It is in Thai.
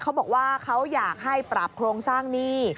เขาบอกว่าเขาอยากให้ปรับโครงสร้างหนี้